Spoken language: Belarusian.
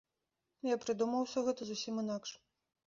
Я прыдумаў усё гэта зусім інакш.